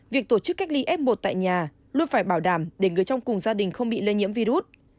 việc tổ chức cách ly f một tại nhà luôn phải bảo đảm để người trong cùng gia đình không bị lây nhiễm virus